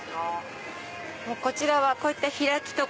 こちらはこういった開きとか。